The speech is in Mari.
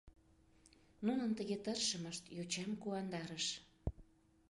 Нунын тыге тыршымышт йочам куандарыш.